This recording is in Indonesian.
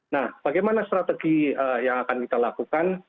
nah bagaimana strategi yang akan kita lakukan